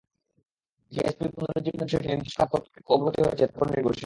GSP পুনরুজ্জীবনের বিষয়টি নির্দিষ্ট খাতে কতটুকু অগ্রগতি হয়েছে, তার ওপর নির্ভরশীল।